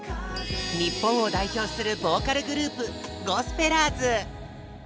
日本を代表するボーカルグループゴスペラーズ！